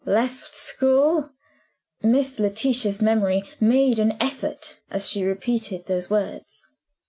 "Left school?" Miss Letitia's memory made an effort, as she repeated those words.